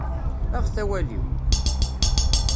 Aɣet awal-iw!